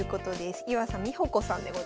岩佐美帆子さんでございます。